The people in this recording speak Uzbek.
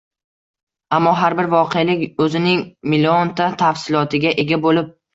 Ammo har bir voqelik o‘zining millionta tafsilotiga ega bo‘lib